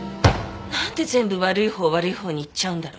なんで全部悪いほう悪いほうにいっちゃうんだろう。